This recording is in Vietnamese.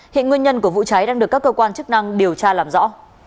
hiện nguyên nhân của vụ cháy đang được các cơ quan chức năng điều tra làm rõ